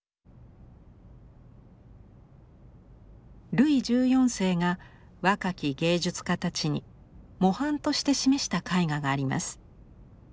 ルイ１４世が若き芸術家たちに模範として示した絵画があります。